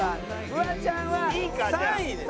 フワちゃんは３位です。